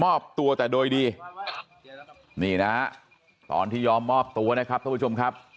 มอบตัวแต่โดยดีนี่นะฮะตอนที่ยอมมอบตัวนะครับท่านผู้ชมครับ